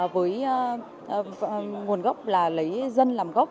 với nguồn gốc là lấy dân làm gốc